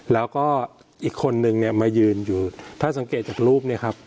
แล้วก็อีกคนนึงเนี่ยมายืนอยู่ถ้าสังเกตจากรูปเนี่ยครับ